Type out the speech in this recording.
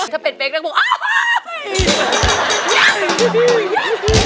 ถ้าเป็นเป๊กแล้วก็